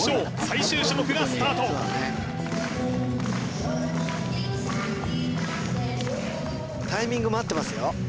最終種目がスタートタイミングも合ってますよ